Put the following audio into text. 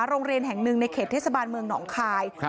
โรงเรียนแห่งหนึ่งในเขตเทศบาลเมืองหนองคาย